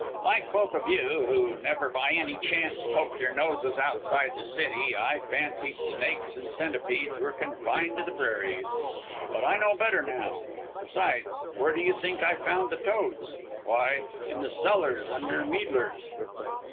Like both of you, who never by any chance poke your noses outside the city, I fancied snakes and centipedes were confined to the prairies. But I know better now. Besides, where do you think I found the toads? Why, in the cellars under Meidlers'!"